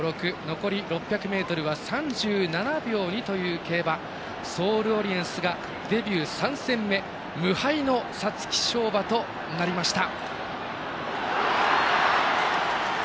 残り６００ｍは３７秒２という競馬ソールオリエンスがデビュー３戦目無敗の皐月賞馬となりました。